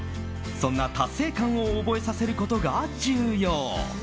そんな達成感を覚えさせることが重要。